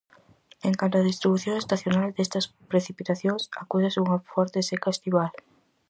En canto á distribución estacional destas precipitacións, acúsase unha forte seca estival.